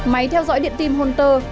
máy theo dõi điện tim hôn tơ